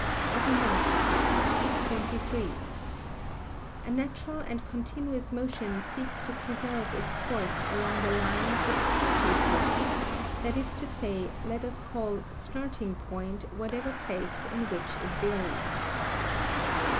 [Sidenote: Of Inertia] 23. A natural and continuous motion seeks to preserve its course along the line of its starting point, that is to say, let us call starting point whatever place in which it varies.